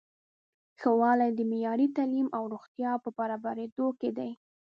ښه والی د معیاري تعلیم او روغتیا په برابریدو کې دی.